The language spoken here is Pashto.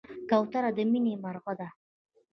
کوتره د مینې مرغه ده.